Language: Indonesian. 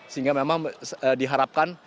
sehingga memang diharapkan